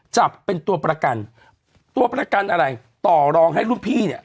จับเป็นตัวประกันตัวประกันอะไรต่อรองให้รุ่นพี่เนี่ย